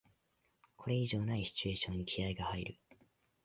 これ以上ないシチュエーションに気合いが入る